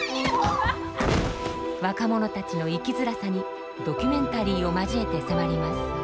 若者たちの生きづらさに、ドキュメンタリーを交えて迫ります。